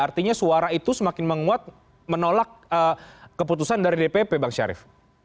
artinya suara itu semakin menguat menolak keputusan dari dpp bang syarif